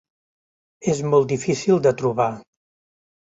És molt difícil de trobar.